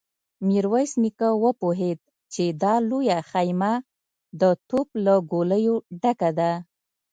ميرويس نيکه وپوهيد چې دا لويه خيمه د توپ له ګوليو ډکه ده.